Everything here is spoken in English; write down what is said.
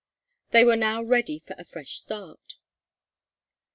They were now ready for a fresh start.